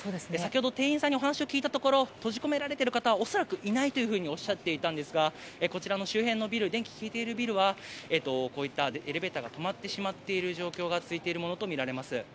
先ほど店員さんに話を伺ったところ閉じ込められている方は恐らくいないとおっしゃっていたんですがこちら、周辺の電気が消えているビルではエレベーターが止まってしまっている状況が続いているものとみられます。